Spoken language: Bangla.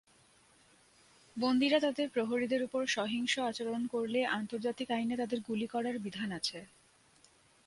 বন্দিরা তাদের প্রহরীদের ওপর সহিংস আচরণ করলে আন্তর্জাতিক আইনে তাদের গুলি করার বিধান আছে।